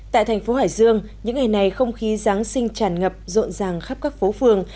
tại thành phố hải dương những ngày này không khí giáng sinh tràn ngập rộn ràng khắp các phố phường